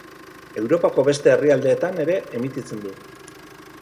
Europako beste herrialdetan ere emititzen du.